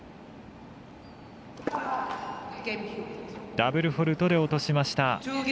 ダブルフォールトで落としました。